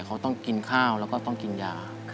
เขาต้องกินข้าวแล้วก็ต้องกินยา